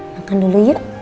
makan dulu yuk